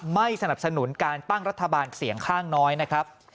ไม่สนับสนุนการตั้งรัฐบาลเสียงข้างน้อยนะครับ